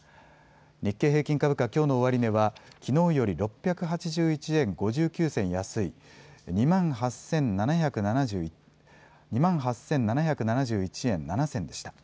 日経平均株価、きょうの終値はきのうより６８１円５９銭安い２万８７７１円７銭でした。